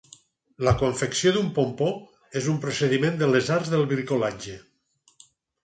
La confecció d'un pompó és un procediment de les arts de bricolatge.